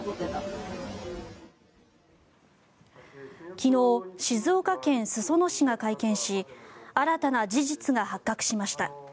昨日、静岡県裾野市が会見し新たな事実が発覚しました。